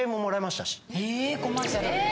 ええコマーシャル？